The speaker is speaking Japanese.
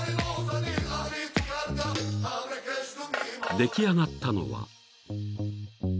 ［出来上がったのは］